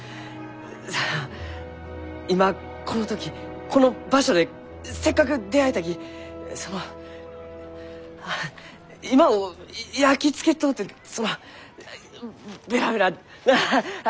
今この時この場所でせっかく出会えたきそのあ今を焼き付けとうてそのベラベラなあ！